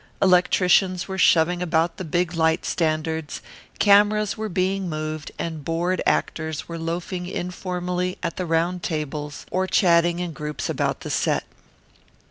Electricians were shoving about the big light standards, cameras were being moved, and bored actors were loafing informally at the round tables or chatting in groups about the set.